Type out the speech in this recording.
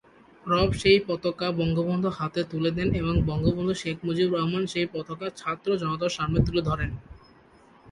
রব সেই পতাকা বঙ্গবন্ধুর হাতে তুলে দেন এবং শেখ মুজিবুর রহমান সেই পতাকা ছাত্র-জনতার সামনে তুলে ধরেন।